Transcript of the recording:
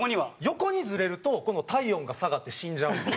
横にずれると今度体温が下がって死んじゃうので。